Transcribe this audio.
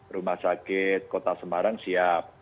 rumah sakit kota semarang siap